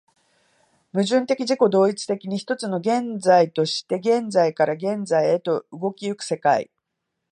矛盾的自己同一的に、一つの現在として現在から現在へと動き行く世界